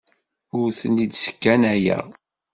Ur ten-id-sskanayeɣ.